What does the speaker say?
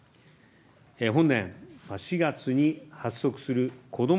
本年４月に発足するこども